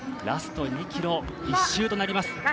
ラスト２ｋｍ、１周となります。